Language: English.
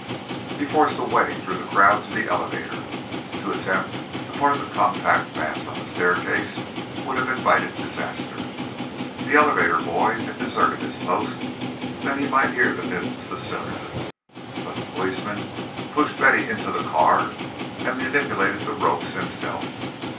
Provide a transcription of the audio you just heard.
He forced a way through the crowd to the elevator. To attempt to part the compact mass on the staircase would invite disaster. The elevator boy had deserted his post that he might hear the news the sooner, but the policeman pushed Betty into the car, and manipulated the ropes himself.